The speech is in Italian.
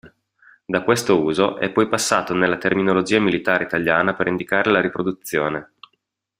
Da questo uso, è poi passato nella terminologia militare italiana per indicare la riproduzione.